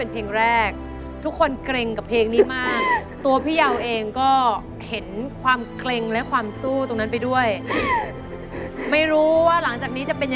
แผ่นไหนครับ